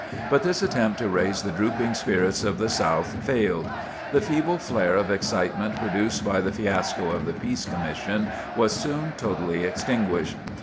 But this attempt to raise the drooping spirits of the South failed. The feeble flare of excitement produced by the fiasco of the Peace Commission was soon totally extinguished.